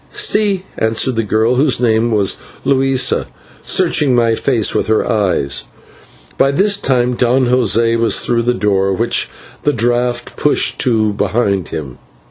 "/Si/," answered the girl, whose name was Luisa, searching my face with her eyes. By this time Don José was through the door, which the draught pushed to behind him.